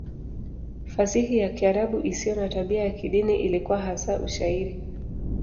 Fasihi ya Kiarabu isiyo na tabia ya kidini ilikuwa hasa Ushairi.